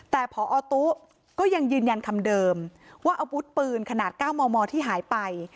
แต่พอตุ๊ก็ยังยืนยันคำเดิมว่าอาวุธปืนขนาด๙มมที่หายไป